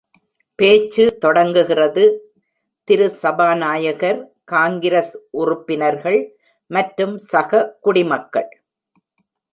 பேச்சு தொடங்குகிறது: திரு. சபாநாயகர், காங்கிரஸ் உறுப்பினர்கள் மற்றும் சக குடிமக்கள்.